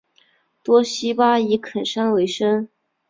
多希巴以垦山为生。